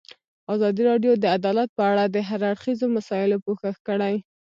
ازادي راډیو د عدالت په اړه د هر اړخیزو مسایلو پوښښ کړی.